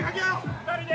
２人で。